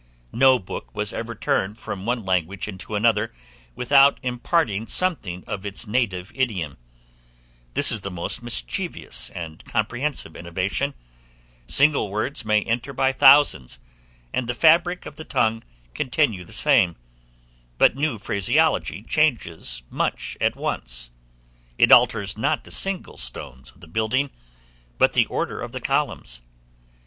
No book was ever turned from one language into another, without imparting something of its native idiom; this is the most mischievous and comprehensive innovation; single words may enter by thousands, and the fabric of the tongue continue the same; but new phraseology changes much at once; it alters not the single stones of the building, but the order of the columns.